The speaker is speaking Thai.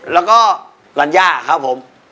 แล้วก็ล่านย่าครับผม